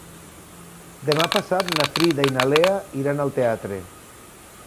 Demà passat na Frida i na Lea iran al teatre.